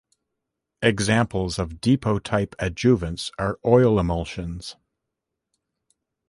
Examples of depot type adjuvants are oil emulsions.